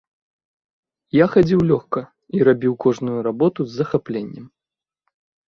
Я хадзіў лёгка і рабіў кожную работу з захапленнем.